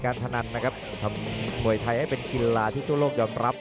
พนันนะครับทำมวยไทยให้เป็นกีฬาที่ทั่วโลกยอมรับ